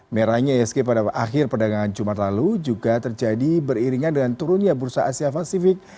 merahnya isg pada akhir perdagangan jumat lalu juga terjadi beriringan dengan turunnya bursa asia pasifik